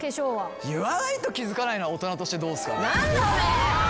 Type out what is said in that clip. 言わないと気付かないのは大人としてどうっすかね？